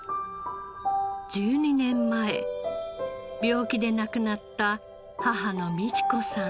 １２年前病気で亡くなった母の美知子さん。